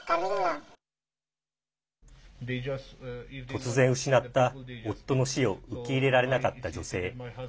突然失った夫の死を受け入れられなかった女性。